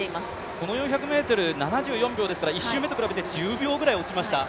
この１周７４秒ですから１周目と比べて、１０秒ぐらい落ちました。